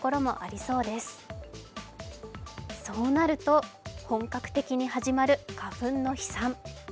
そうなると本格的に始まる花粉の飛散。